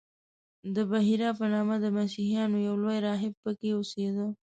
د بحیرا په نامه د مسیحیانو یو لوی راهب په کې اوسېده.